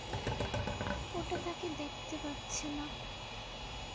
ওটা তাকে দেখতে পাচ্ছে না।